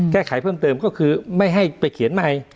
แก้ไขเพิ่มเติมก็คือไม่ให้ไปเขียนใหม่